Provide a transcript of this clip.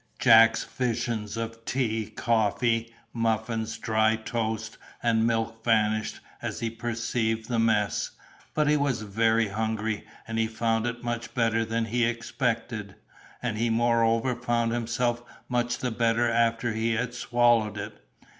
Jack's visions of tea, coffee, muffins, dry toast, and milk vanished as he perceived the mess; but he was very hungry, and he found it much better than he expected; and he moreover found himself much the better after he had swallowed it.